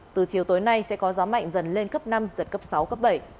từ chiều tối nay sẽ có gió mạnh dần lên cấp năm giật cấp sáu cấp bảy